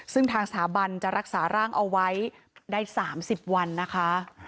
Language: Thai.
ซึ่งทางสถาบันจะรักษาร่างเอาไว้ได้๓๐วันนะคะ